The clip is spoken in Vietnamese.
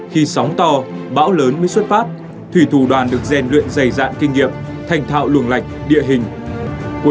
khi sóng to bão lớn mới xuất phát thủy thủ đoàn được rèn luyện dày dạng kinh nghiệm thành thạo luồng lạch địa hình